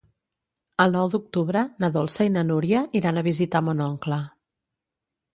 El nou d'octubre na Dolça i na Núria iran a visitar mon oncle.